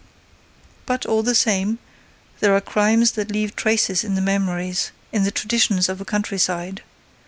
But, all the same, there are crimes that leave traces in the memories, in the traditions of a countryside.